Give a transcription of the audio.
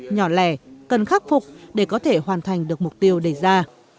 nhỏ lẻ cần khắc phục để có thể hoàn thành được mục tiêu đề ra